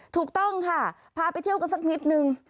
ถูกต้องค่ะพาไปเที่ยวกันสักนิดนึง